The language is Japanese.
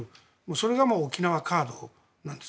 それが沖縄カードなんです。